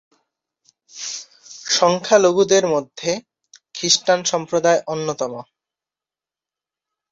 সংখ্যালঘুদের মধ্যে খ্রিস্টান সম্প্রদায় অন্যতম।